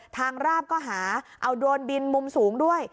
ราบก็หาเอาโดรนบินมุมสูงด้วย